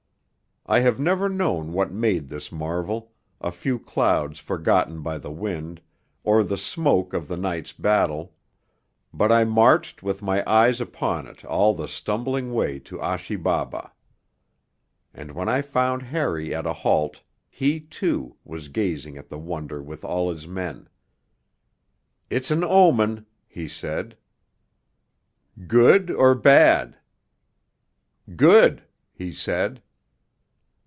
I have never known what made this marvel, a few clouds forgotten by the wind, or the smoke of the night's battle; but I marched with my eyes upon it all the stumbling way to Achi Baba. And when I found Harry at a halt, he, too, was gazing at the wonder with all his men. 'It's an omen,' he said. 'Good or bad?' 'Good,' he said.